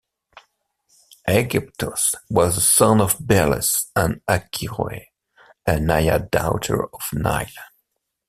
Aegyptos was the son of Belus and Achiroe, a naiad daughter of Nile.